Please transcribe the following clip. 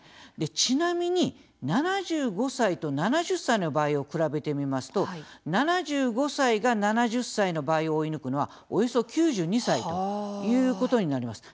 ちなみに７５歳と７０歳の場合を比べてみますと７５歳が、７０歳の場合を追い抜くのはおよそ９２歳ということになります。